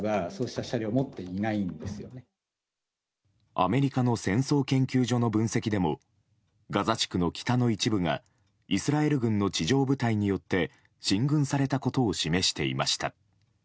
アメリカの戦争研究所の分析でもガザ地区の北の一部がイスラエル軍の地上部隊によって進軍されたことを示していました。